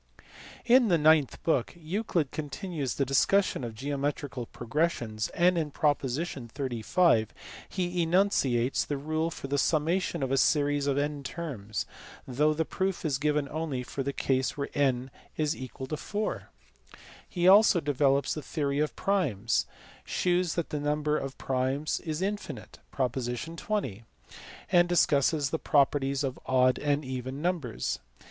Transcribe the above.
In the ninth book Euclid continues the discussion of geo metrical progressions, and in proposition 35 he enunciates the rule for the summation of a series of n terms, though the proof is given only for the case where n is equal to 4. He EUCLID. 61 also develops the theory of primes, shews that the number of primes is infinite (prop. 20), and discusses the properties of odd and even numbers.